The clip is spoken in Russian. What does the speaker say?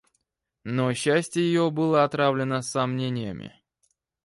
Но счастье ее было отравлено сомнениями.